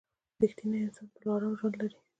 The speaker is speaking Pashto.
• رښتینی انسان تل ارام ژوند لري.